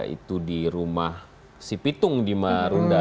itu di rumah si pitung di marunda